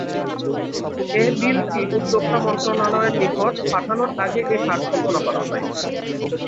এ বিলটি উদ্দ্যোক্তা মন্ত্রণালয়ের নিকট পাঠানোর আগে এ কাজ সম্পন্ন করা হয়।